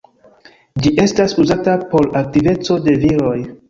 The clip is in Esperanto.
Ĝi estas uzata por aktiveco de viroj.